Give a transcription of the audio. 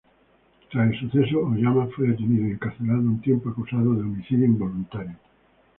Tras el suceso, Oyama fue detenido y encarcelado un tiempo acusado de Homicidio Involuntario.